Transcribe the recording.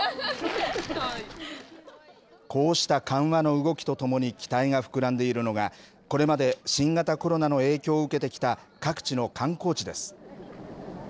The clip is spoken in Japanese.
こうした緩和の動きとともに期待が膨らんでいるのがこれまで新型コロナの影響を受けてきた各地の観光地です。